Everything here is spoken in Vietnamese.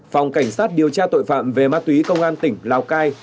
phòng cảnh sát điều tra tội phạm về ma túy công an tỉnh lào cai